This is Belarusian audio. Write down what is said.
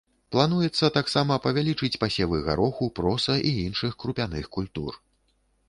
Плануецца таксама павялічыць пасевы гароху, проса і іншых крупяных культур.